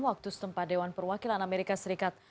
waktu setempat dewan perwakilan amerika serikat